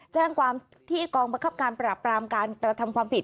แจ้งความที่กองบังคับการปราบปรามการกระทำความผิด